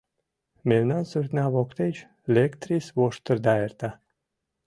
— Мемнан суртна воктеч лектрис воштырда эрта.